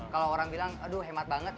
kalau orang bilang aduh hemat banget